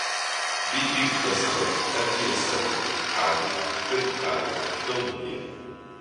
bitributação, apreensão, cabo, caducar, calúnia